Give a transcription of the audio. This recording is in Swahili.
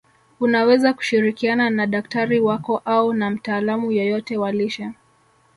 Unaweza kushirikiana na daktari wako au na mtaalamu yoyote wa lishe